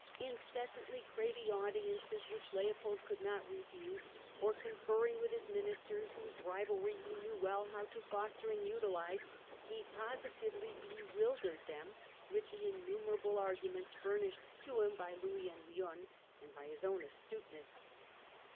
In cessantly craving audiences which Leopold could not re fuse, or conferring with his ministers, whose rivalry he knew well how to foster and utilise, he positively bewil dered them with the innumerable arguments furnished to him by Louis and Lionne, and by his own astuteness.